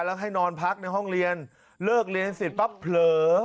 แล้วให้นอนพักในห้องเรียนเลิกเรียนเสร็จปั๊บเผลอ